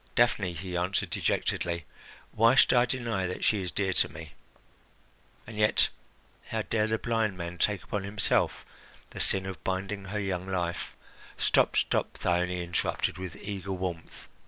"Daphne," he answered dejectedly, "why should I deny that she is dear to me? And yet, how dare the blind man take upon himself the sin of binding her young life " "Stop! stop!" Thyone interrupted with eager warmth.